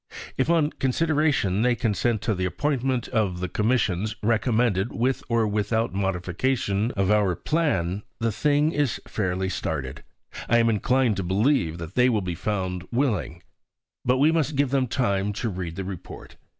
If on consideration they consent to the appointment of the commissions recommended with or without modification of our plan, the thing is fairly started. I am inclined to believe that they will be found willing. But we must give them time to read the report.